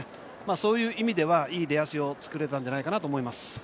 そういう意味では、いい出だしを作れたんじゃないかなと思います。